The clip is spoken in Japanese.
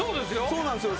そうなんですよ。